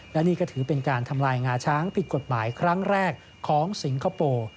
และนี่ก็ถือเป็นการทำลายงาช้างผิดกฎหมายครั้งแรกของสิงคโปร์